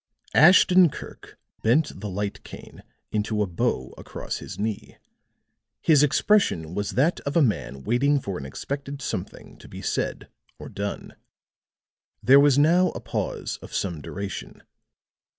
Ashton Kirk bent the light cane into a bow across his knee; his expression was that of a man waiting for an expected something to be said or done. There was now a pause of some duration.